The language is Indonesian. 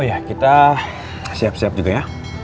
ya kita siap siap juga ya